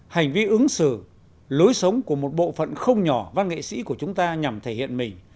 hành vi ứng xử lối sống của một bộ phận không nhỏ văn nghệ sĩ của chúng ta nhằm thể hiện mình